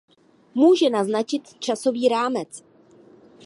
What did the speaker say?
Může naznačit časový rámec?